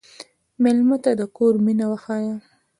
مېلمه ته د کور مینه وښیه.